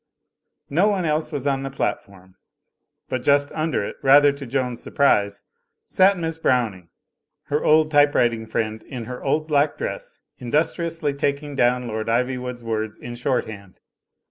No one eUe was on the platform, but just under it, rather to Joan's surprise, sat Miss Browning, her old typewriting friend in her old black dress, industriously 78 THE FLYING INN taking down Lord Ivywood's words in shorthand.